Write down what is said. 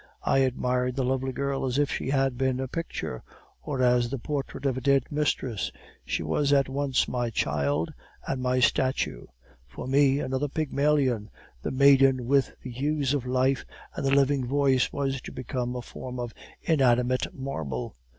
I admired the lovely girl as if she had been a picture, or as the portrait of a dead mistress; she was at once my child and my statue. For me, another Pygmalion, the maiden with the hues of life and the living voice was to become a form of inanimate marble.